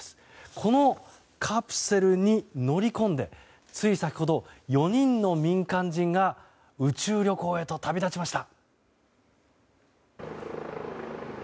このカプセルに乗り込んでつい先ほど４人の民間人が宇宙旅行へと旅立ちました。